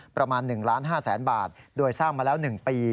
ประมาณ๑ล้าน๕แสนบาทโดยสร้างมาแล้ว๑ปี